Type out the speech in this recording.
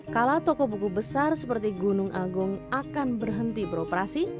kala toko buku besar seperti gunung agung akan berhenti beroperasi